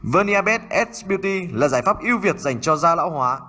verniabed s beauty là giải pháp yêu việt dành cho da lão hóa